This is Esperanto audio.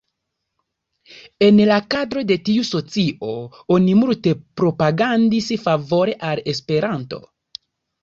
En la kadro de tiu socio, oni multe propagandis favore al Esperanto.